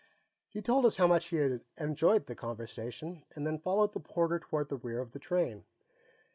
He told us how much he had enjoyed the conversation, and then followed the porter toward the rear of the train.